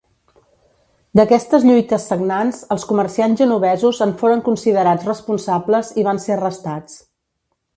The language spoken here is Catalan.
D'aquestes lluites sagnants els comerciants genovesos en foren considerats responsables i van ser arrestats.